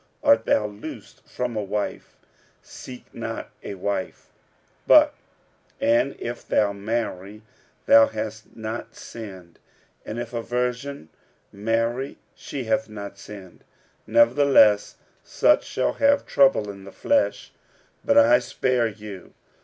Art thou loosed from a wife? seek not a wife. 46:007:028 But and if thou marry, thou hast not sinned; and if a virgin marry, she hath not sinned. Nevertheless such shall have trouble in the flesh: but I spare you.